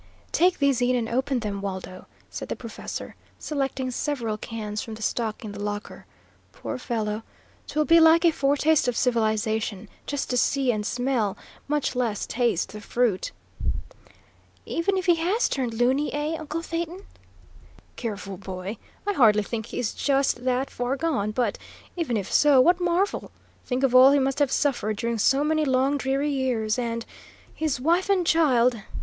"Take these in and open them, Waldo," said the professor, selecting several cans from the stock in the locker. "Poor fellow! 'Twill be like a foretaste of civilisation, just to see and smell, much less taste, the fruit." "Even if he has turned looney, eh, uncle Phaeton?" "Careful, boy! I hardly think he is just that far gone; but, even if so, what marvel? Think of all he must have suffered during so many long, dreary years! and his wife and child!